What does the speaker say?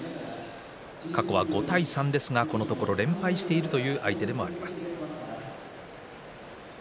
過去は５対３ですがこのところ連敗している相手でもあります。